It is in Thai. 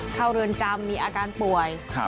เรือนจำมีอาการป่วย